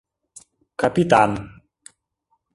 Капитан.